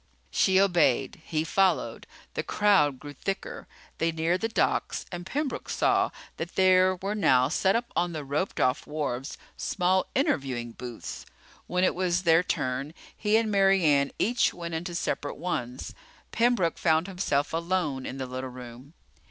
She obeyed. He followed. The crowd grew thicker. They neared the docks and Pembroke saw that there were now set up on the roped off wharves small interviewing booths. When it was their turn, he and Mary Ann each went into separate ones. Pembroke found himself alone in the little room.